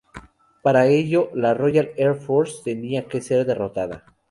Para ello, la Royal Air Force tenía que ser derrotada.